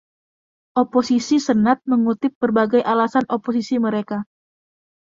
Oposisi senat mengutip berbagai alasan oposisi mereka.